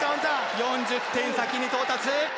４０点先に到達。